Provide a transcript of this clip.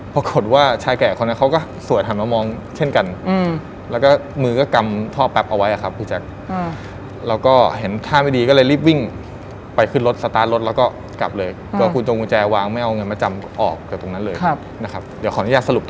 พอเสียงไล่ปุ๊บมันเป็นเสียงแบบ